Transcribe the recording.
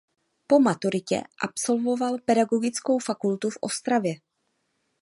Po maturitě absolvoval Pedagogickou fakultu v Ostravě.